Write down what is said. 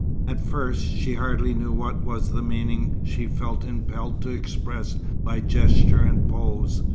At first, she hardly knew what was the meaning she felt impelled to express by gesture and pose.